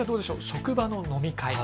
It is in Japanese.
職場の飲み会。